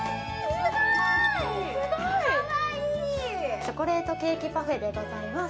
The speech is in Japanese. すごいかわいいチョコレートケーキパフェでございます